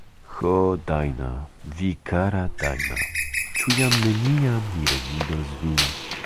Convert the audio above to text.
Ho, Dajna, vi kara Dajna, ĉu jam neniam mi revidos vin?